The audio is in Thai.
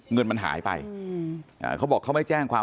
เงินมันหายไปเขาบอกเขาไม่แจ้งความ